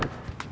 ya udah yaudah